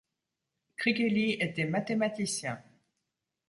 Krikheli était mathématicien.